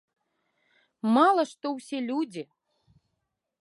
Мала што ўсе людзі!